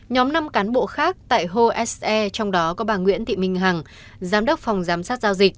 nhóm năm cán bộ khác tại hose trong đó có bà nguyễn thị minh hằng giám đốc phòng giám sát giao dịch